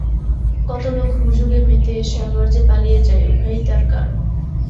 কত লোক হুজুগে মেতে এসে আবার যে পালিয়ে যায়, উহাই তার কারণ।